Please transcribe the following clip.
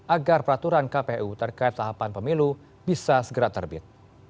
agar peraturan kpu terkait tahapan pemilu bisa segera terbit